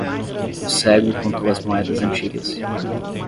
O cego contou as moedas antigas.